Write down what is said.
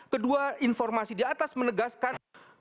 kedua informasi di atas menegaskan